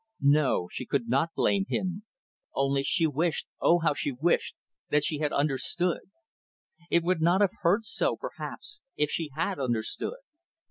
No, she could not blame him only only she wished oh how she wished that she had understood. It would not have hurt so, perhaps, if she had understood.